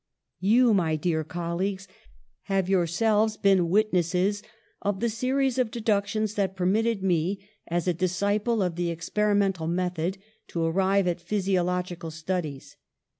''You, my dear colleagues, have yourselves been witnesses of the series of deductions that permitted me, as a disciple of the experimental method, to ar rive at physiological studies.